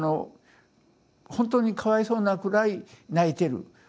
本当にかわいそうなくらい泣いてる。